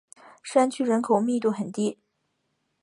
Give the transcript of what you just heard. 山区人口密度很低。